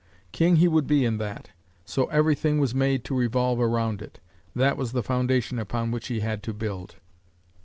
King he would be in that, so everything was made to revolve around it. That was the foundation upon which he had to build.